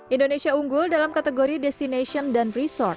indonesia unggul dalam kategori destinations dan resorts